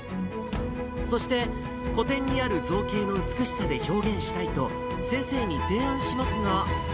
そして、古典にある造形の美しさで表現したいと先生に提案しますが。